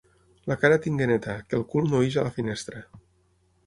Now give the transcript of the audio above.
La cara tingui neta, que el cul no ix a la finestra.